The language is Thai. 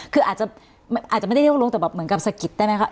คืออาจจะไม่ได้เรียกร้องแต่แบบเหมือนกับสะกิดได้ไหมคะ